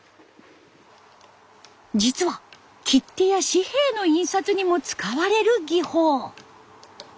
実は切手や紙幣の印刷にも使われる技法。